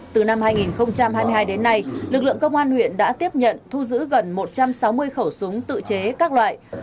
từ năm hai nghìn hai mươi hai đến nay lực lượng công an huyện đã tiếp nhận thu giữ gần một trăm sáu mươi khẩu súng tự chế các loại